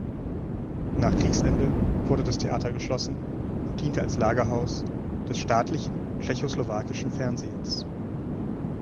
Nach Kriegsende wurde das Theater geschlossen und diente als Lagerhaus des staatlichen Tschechoslowakischen Fernsehens.